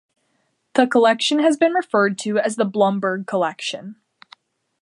The collection has been referred to as the Blumberg Collection.